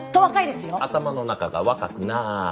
頭の中が若くない。